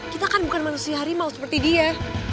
kita kan bukan manusia harimau seperti dia